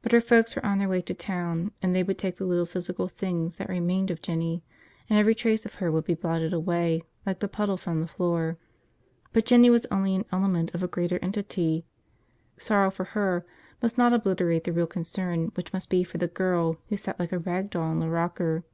But her folks were on their way to town and they would take the little physical things that remained of Jinny, and every trace of her would be blotted away like the puddle from the floor. But Jinny was only an element of a greater entity. Sorrow for her must not obliterate the real concern, which must be for the girl who sat like a rag doll in the rocker.